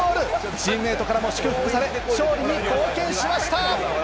チームメートからも祝福され、勝利に貢献しました。